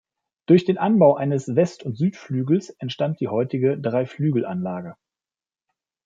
Durch den Anbau eines West- und Südflügels entstand die heutige Dreiflügelanlage.